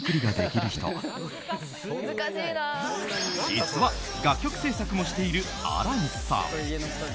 実は楽曲制作もしている亜嵐さん。